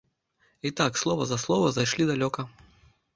І так, слова за слова, зайшлі далёка.